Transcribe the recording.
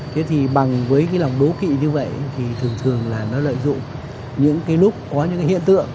thế thì bằng với cái lòng đố kị như vậy thì thường thường là nó lợi dụng những cái lúc có những cái hiện tượng